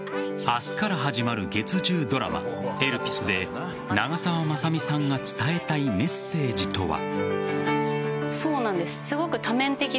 明日から始まる月１０ドラマ「エルピス」で長澤まさみさんが伝えたいメッセージとは。